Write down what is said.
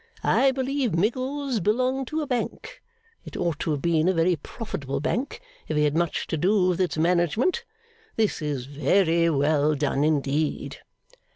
I believe Miggles belonged to a Bank. It ought to have been a very profitable Bank, if he had much to do with its management. This is very well done, indeed.